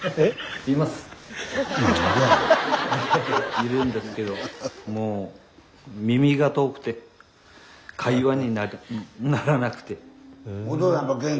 いるんですけどもう耳が遠くて会話にならなくて。